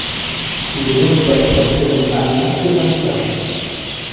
Il est nommé d'après l'astronome allemand Stefan Karge.